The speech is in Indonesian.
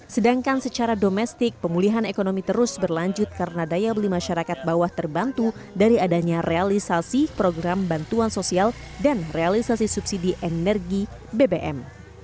sedangkan secara domestik pemulihan ekonomi terus berlanjut karena daya beli masyarakat bawah terbantu dari adanya realisasi program bantuan sosial dan realisasi subsidi energi bbm